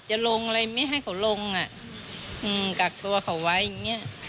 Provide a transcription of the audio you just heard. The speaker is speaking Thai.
จะลงอะไรไม่ให้เขาลงอ่ะอืมกักตัวเขาไว้อย่างเงี้ย